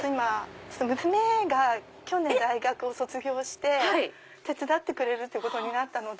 娘が去年大学を卒業して手伝ってくれることになったので。